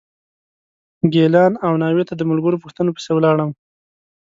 ګیلان او ناوې ته د ملګرو پوښتنو پسې ولاړم.